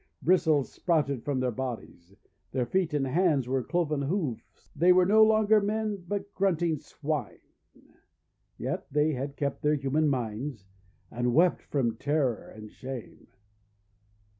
Bristles sprouted from their bodies. Their feet and hands were cloven hoofs. They were no longer men, but grunting Swine. Yet they had kept their human minds, and wept from terror and shame.